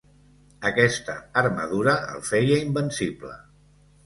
Aquesta armadura el feia invencible.